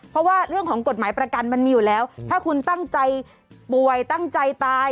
เพราะว่าเรื่องของกฎหมายประกันมันมีอยู่แล้วถ้าคุณตั้งใจป่วยตั้งใจตาย